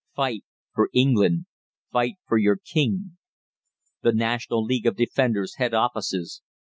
Fight for England. FIGHT FOR YOUR KING! The National League of Defenders' Head Offices.